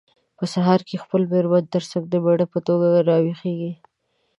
په سهار کې د خپلې مېرمن ترڅنګ د مېړه په توګه راویښیږي.